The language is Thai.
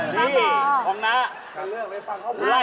ต้องกินแบบสองหรอนี่ของนาถามเรื่องด้วยพักเข้าไป